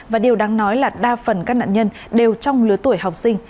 và điều đáng nói là đa phần các nạn nhân đều trong lứa tuổi học sinh